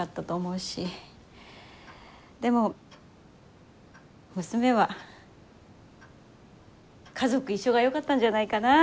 でも娘は家族一緒がよかったんじゃないかなぁ。